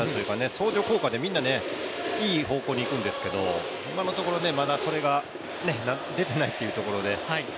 相乗効果でみんな、いい方向に行くんですけど、今のところそれがまだ出ていないというところで。